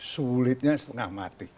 sulitnya setengah mati